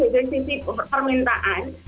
dari sisi permintaan